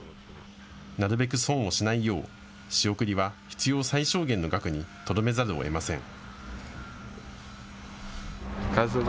なるべく損をしないよう仕送りは必要最小限の額にとどめざるをえません。